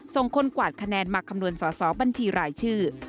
ส่งคนกวาดคะแนนมาคำนวณสอสอบัญชีรายชื่อ